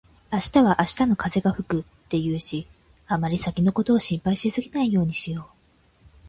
「明日は明日の風が吹く」って言うし、あまり先のことを心配しすぎないようにしよう。